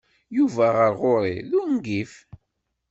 Yuba ɣer ɣur-i d ungif.